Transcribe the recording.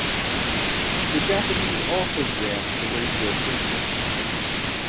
The Japanese also jammed the radio frequencies.